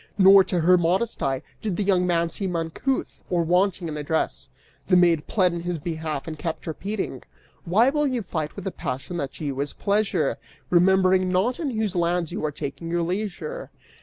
Nor, to her modest eye, did the young man seem uncouth or wanting in address. The maid pled in his behalf and kept repeating: Why will you fight with a passion that to you is pleasure, Remembering not in whose lands you are taking your leisure?